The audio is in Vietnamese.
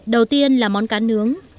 đầu tiên là món cá nướng